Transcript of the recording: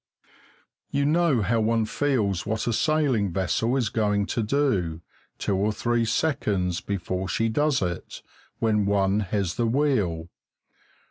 You know how one feels what a sailing vessel is going to do, two or three seconds before she does it, when one has the wheel.